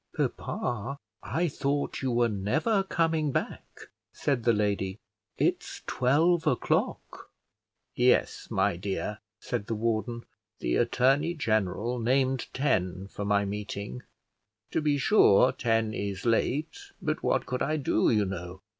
"Papa, I thought you were never coming back," said the lady; "it's twelve o'clock." "Yes, my dear," said the warden. "The attorney general named ten for my meeting; to be sure ten is late, but what could I do, you know?